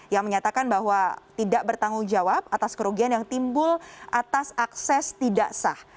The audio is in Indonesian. yang menyatakan bahwa tidak bertanggung jawab atas kerugian yang timbul atas akses tidak sah